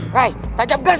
ray perasaan gua gak enak